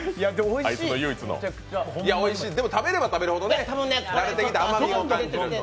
食べれば食べるほどね慣れてきて甘みを感じると。